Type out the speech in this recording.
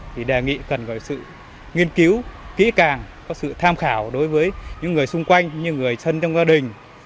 thì đề nghị cần có sự nghiên cứu kỹ càng có sự tham khảo đối với những người xung quanh như người thân trong gia đình